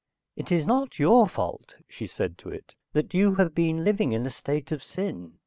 "It is not your fault," she said to it, "That you have been living in a state of sin.